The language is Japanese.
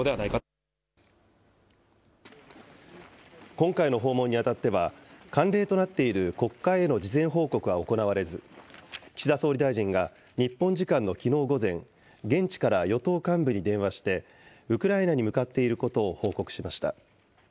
今回の訪問にあたっては、慣例となっている国会への事前報告は行われず、岸田総理大臣が日本時間のきのう午前、現地から与党幹部に電話して、ウクライナに向かっていることを報告しました。